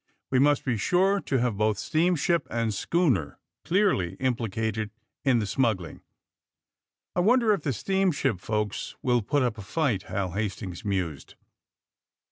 We must be sure to have both steamship and schooner clearly implicated in the smuggling. '' ^^I wonder if the steamshi|) folks will put up a fight?" Hal Hastings mused.